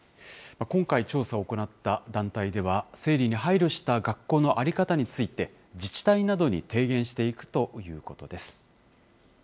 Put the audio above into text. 今回、調査を行った団体では、生理に配慮した学校の在り方について、自治体などに提言していくということです。